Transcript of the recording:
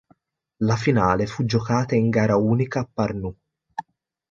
La finale fu giocata in gara unica a Pärnu.